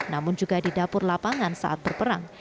namun juga di dapur lapangan saat berperang